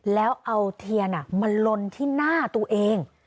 แล้วเอาเทียนมาลนที่หน้าตัวเอง